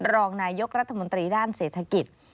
รองนายกรัฐมนตรีด้านเศรษฐกิจ